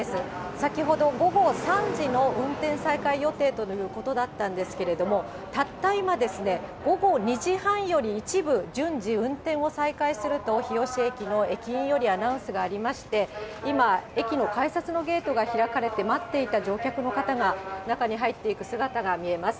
先ほど午後３時の運転再開予定ということだったんですけれども、たった今ですね、午後２時半より一部、順次運転を再開すると、日吉駅の駅員よりアナウンスがありまして、今、駅の改札のゲートが開かれて、待っていた乗客の方が中に入っていく姿が見えます。